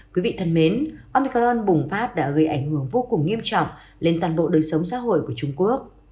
quý vị thân mến omicaron bùng phát đã gây ảnh hưởng vô cùng nghiêm trọng lên toàn bộ đời sống xã hội của trung quốc